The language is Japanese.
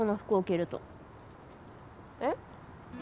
えっ？